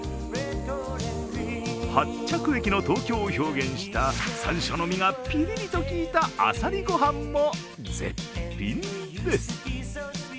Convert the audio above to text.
発着駅の東京を表現したさんしょうの実がぴりりときいたあさりご飯も絶品です。